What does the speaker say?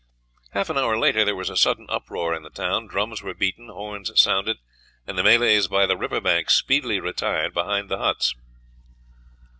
Half an hour later there was a sudden uproar in the town, drums were beaten, horns sounded, and the Malays by the river bank speedily retired behind the huts.